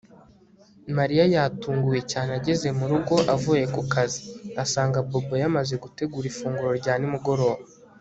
Mariya yatunguwe cyane ageze mu rugo avuye ku kazi asanga Bobo yamaze gutegura ifunguro rya nimugoroba